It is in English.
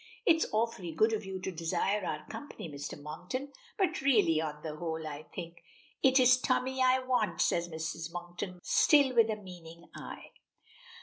"It's awfully good of you to desire our company, Mrs. Monkton, but really on the whole I think " "It is Tommy I want," says Mrs. Monkton still with a meaning eye.